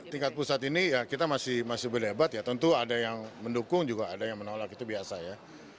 tingkat pusat ini ya kita masih berdebat ya tentu ada yang mendukung juga ada yang menolak itu biasa ya